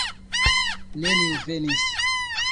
Neniu venis.